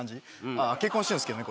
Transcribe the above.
ああ結婚してんすけどね